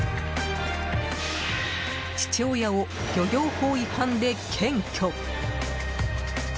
父親を漁業法違反で検挙。